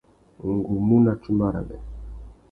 Ngu mú nà tsumba râmê.